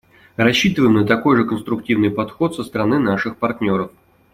Рассчитываем на такой же конструктивный подход со стороны наших партнеров.